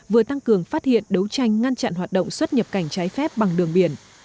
vừa tăng cường phát hiện đấu tranh ngăn chặn hoạt động xuất nhập cảnh trái phép bằng đường biển